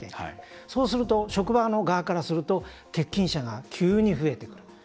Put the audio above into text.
そうすると職場の側からすると欠勤者が急に増えてくる。